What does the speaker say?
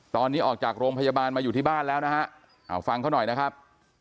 ตอนนี้ออกจากโรงพยาบาลมาอยู่ที่บ้านแล้วนะฮะเอาฟังเขาหน่อยนะครับ